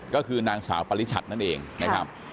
ก็คือนางสาวปริชัดนั่นเองนะครับ